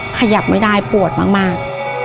ขยับไม่ได้ปวดมาก